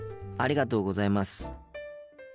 ありがとうございます。